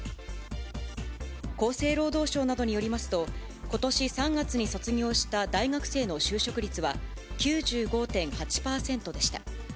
厚生労働省などによりますと、ことし３月に卒業した大学生の就職率は９５．８％でした。